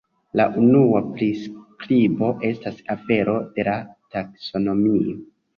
La unua priskribo estas afero de la taksonomio.